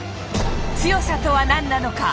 強さとは何なのか？